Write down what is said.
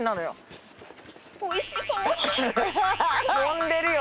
呼んでるよ。